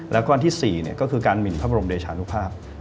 แล้วก็อันที่๔ก็คือการหมินพระบรมเดชานุภาพ